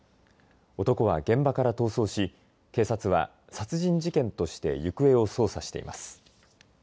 男は現場から逃走し警察は殺人事件として行方を捜査しています。